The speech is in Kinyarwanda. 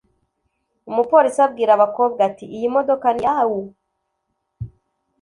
Umupolisi abwira abakobwa ati: "Iyi modoka ni iyau?"